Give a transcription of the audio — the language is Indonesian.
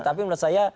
tapi menurut saya